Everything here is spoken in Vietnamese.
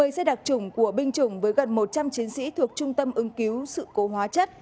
một mươi xe đặc trùng của binh chủng với gần một trăm linh chiến sĩ thuộc trung tâm ứng cứu sự cố hóa chất